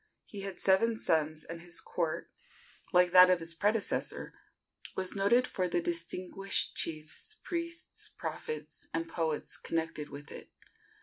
He had seven sons, and his court, like that of his predecessor, was noted for the distinguished chiefs, priests, prophets and poets connected with it.